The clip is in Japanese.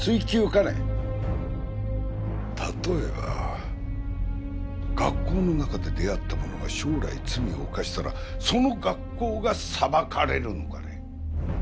例えば学校の中で出会った者が将来罪を犯したらその学校が裁かれるのかね？